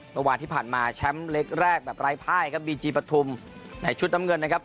เมื่อวานที่ผ่านมาแชมป์เล็กแรกแบบไร้ภายครับบีจีปฐุมในชุดน้ำเงินนะครับ